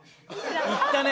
いったね。